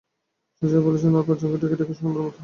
সে যা বলছেন সে আর পাঁচজনকে ডেকে ডেকে শোনাবার মতো নয়।